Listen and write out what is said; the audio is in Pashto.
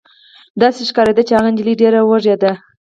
داسې ښکارېده چې هغه نجلۍ ډېره وږې وه